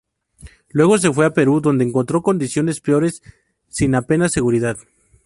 Luego se fue a Perú donde encontró condiciones peores sin apenas seguridad.